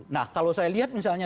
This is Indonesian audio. nah kalau saya lihat misalnya